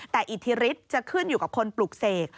แต่อิทธิฤทธิ์จะขึ้นอยู่กับคนปลูกเสก